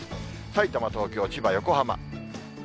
さいたま、東京、千葉、横浜。